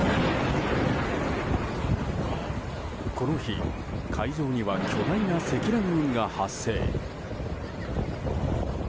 この日、海上には巨大な積乱雲が発生。